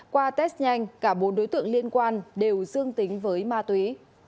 qua test nhanh cả bốn đối tượng liên quan đều dương tính với ma túy